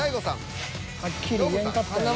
はっきり言えんかったんやな。